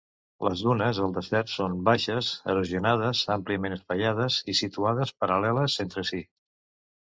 Les dunes al desert són baixes, erosionades, àmpliament espaiades i situades paral·leles entre si.